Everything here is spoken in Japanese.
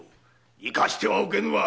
生かしてはおけぬ。